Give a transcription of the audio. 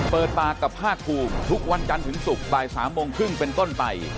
เปิดปากกับภาคภูมิทุกวันจันทร์ถึงศุกร์บ่าย๓โมงครึ่งเป็นต้นไป